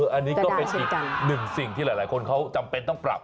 อันนี้ก็เป็นอีกหนึ่งสิ่งที่หลายคนเขาจำเป็นต้องปรับ